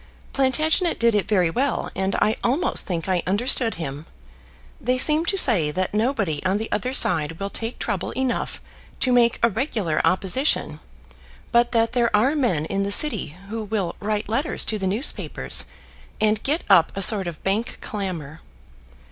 Plantagenet did it very well, and I almost think I understood him. They seem to say that nobody on the other side will take trouble enough to make a regular opposition, but that there are men in the City who will write letters to the newspapers, and get up a sort of Bank clamour.